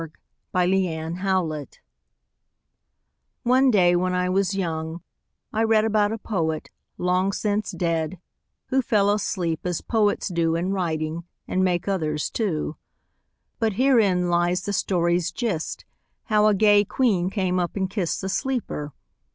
XXIX THE POET WHO SLEEPS One day, when I was young, I read About a poet, long since dead, Who fell asleep, as poets do In writing and make others too. But herein lies the story's gist, How a gay queen came up and kist The sleeper.